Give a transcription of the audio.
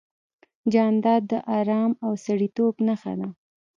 جانداد د ارام او سړیتوب نښه ده.